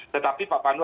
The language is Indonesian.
tetapi pak pandu